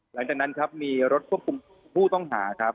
หลังจากนั้นครับมีรถควบคุมผู้ต้องหาครับ